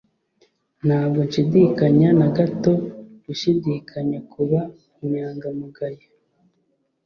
ntabwo nshidikanya na gato gushidikanya kuba inyangamugayo